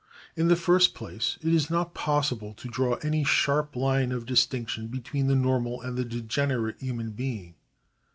In the first place, it is not possible to draw any sharp line of distinction between the normal and the degenerate human being.